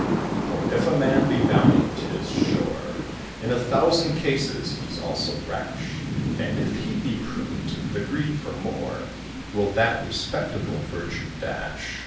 For if a man be valiant, 'tis sure, In a thousand cases, he's also rash; And if he be prudent, the greed for more Will that respectable virtue dash.